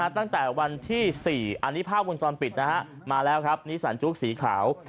ตั้งแต่วันที่๔ภาพผู้กรรมปิดนิสันจุ๊กสีขาว